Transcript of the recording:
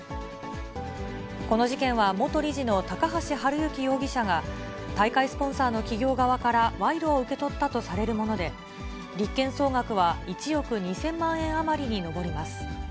この事件は、元理事の高橋治之容疑者が、大会スポンサーの企業側から賄賂を受け取ったとされるもので、立件総額は１億２０００万円余りに上ります。